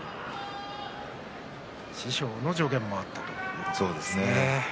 師匠の助言があったということですね。